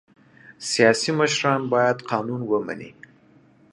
سیاسي مشران باید قانون ومني